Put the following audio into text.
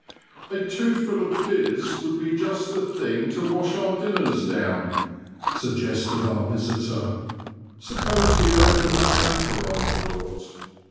" A toothful of * fiz ' would be just the thing to wash our dinners down," suggested our visitor ;suppose we open the hamper I brought."